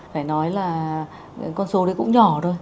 phải nói là con số đấy cũng nhỏ thôi